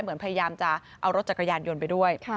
เหมือนพยายามจะเอารถจักรยานยนต์ไปด้วย